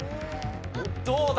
どうだ？